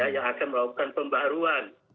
yang akan melakukan pembaruan